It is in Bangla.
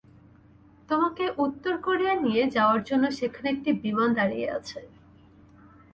তোমাকে উত্তর কোরিয়া নিয়ে যাওয়ার জন্য সেখানে একটি বিমান দাঁড়িয়ে আছে।